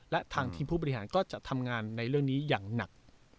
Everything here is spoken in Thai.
และทางทีมผู้บริหารก็จะทำงานในเรื่องนี้อย่างหนัก